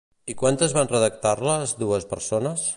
I quantes van redactar-les dues persones?